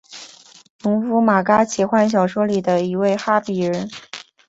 农夫马嘎奇幻小说里的一位哈比人。